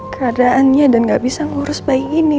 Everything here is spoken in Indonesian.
keadaannya dan gak bisa ngurus bayi ini